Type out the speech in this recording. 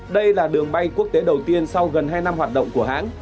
đây là đường bay quốc tế đầu tiên sau gần hai năm hoạt động của hãng